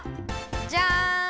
じゃん。